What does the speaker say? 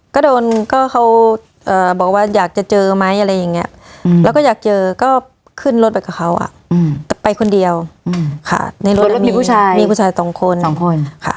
ก็โดนก็เขาบอกว่าอยากจะเจอไหมอะไรอย่างนี้แล้วก็อยากเจอก็ขึ้นรถไปกับเขาแต่ไปคนเดียวค่ะในรถมีผู้ชายมีผู้ชายสองคนสองคนค่ะ